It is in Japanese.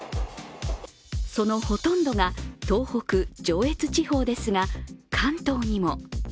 そのほとんどが、東北、上越地方ですが関東にも。